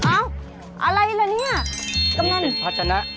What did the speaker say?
อ้ะอะไรแหละเนี่ยครับนั่นพัชรนะ